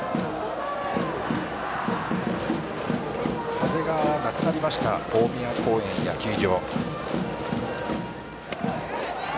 風がなくなりました大宮公園野球場。